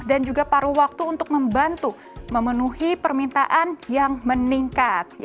dan juga paru waktu untuk membantu memenuhi permintaan yang meningkat